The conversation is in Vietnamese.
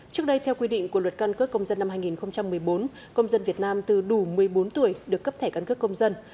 trước đây theo quy định của luật căn cước công dân năm hai nghìn một mươi bốn công dân việt nam từ đủ một mươi bốn tuổi được cấp thẻ căn cước công dân